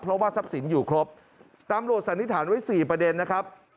เพราะว่าทรัพย์สินอยู่ครบตำรวจสันนิษฐานไว้๔ประเด็นนะครับ